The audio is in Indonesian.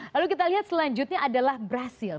lalu kita lihat selanjutnya adalah brazil